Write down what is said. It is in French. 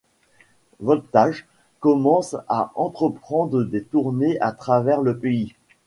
Voltaj commence à entreprendre des tournées à travers le pays.